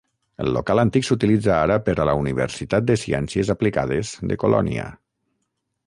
El local antic s'utilitza ara per a la universitat de ciències aplicades de Colònia.